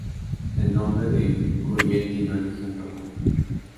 El nombre de Curiel tiene origen romano.